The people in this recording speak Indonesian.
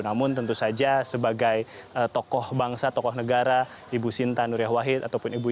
namun tentu saja sebagai tokoh bangsa tokoh negara ibu sinta nuriyah wahid ataupun ibu